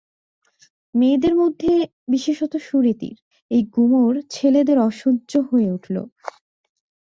মেয়েদের মধ্যে, বিশেষত সুরীতির, এই গুমর ছেলেদের অসহ্য হয়ে উঠল।